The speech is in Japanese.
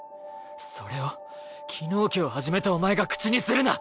それを昨日今日始めたお前が口にするな！